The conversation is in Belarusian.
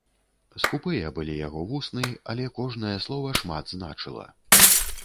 Скупыя былі яго вусны, але кожнае слова шмат значыла.